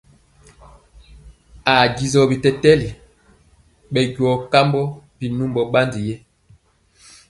Haa disɔ bitɛtɛli ɓɛ njɔɔ kambɔ binumbɔ ɓandi yɛɛ.